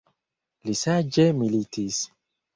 Li saĝe militis.